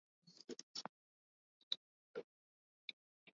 kijiko cha chakula pima mafuta ya kupikia